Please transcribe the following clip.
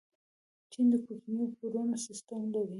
چین د کوچنیو پورونو سیسټم لري.